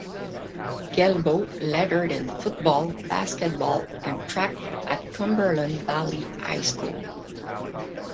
Gelbaugh lettered in football, basketball and track at Cumberland Valley High School.